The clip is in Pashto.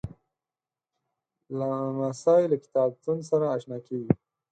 لمسی له کتابتون سره اشنا کېږي.